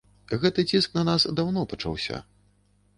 Гэты ціск на нас даўно пачаўся.